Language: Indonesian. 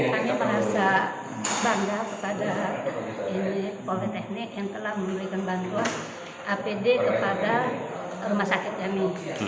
kami merasa bangga kepada politeknik yang telah memberikan bantuan apd kepada rumah sakit kami